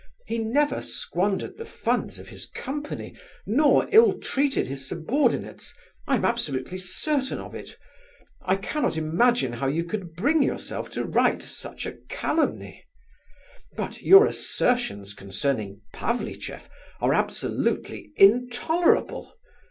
He never squandered the funds of his company nor ill treated his subordinates, I am absolutely certain of it; I cannot imagine how you could bring yourself to write such a calumny! But your assertions concerning Pavlicheff are absolutely intolerable!